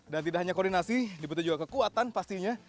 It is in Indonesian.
dan tidak hanya koordinasi dibutuhkan juga kekuatan pastinya